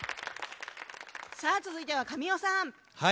続いては、神尾さん。